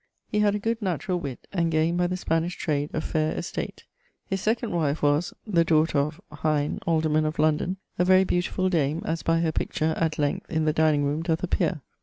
He had a good naturall witt, and gaind by the Spanish trade a fair estate. His second wife was ... the daughter of ... Hine, alderman of London, a very beautifull dame, as by her picture, at length, in the dining rome, doeth appear.